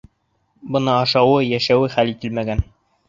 Бында ашау-йәшәү хәл ителмәгән!